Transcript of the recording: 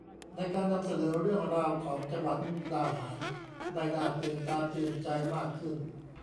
ในการนำเสนอเรื่องราวของจังหวัดมุกดาหารได้หน้าตื่นตาตื่นใจมากขึ้น